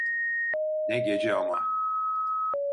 Ne gece ama!